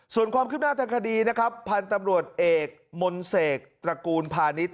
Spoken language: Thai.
ส่วนความคืบหน้าทางคดีนะครับพันธุ์ตำรวจเอกมนเสกตระกูลพาณิชย